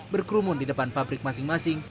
berkerumun di depan pabrik masing masing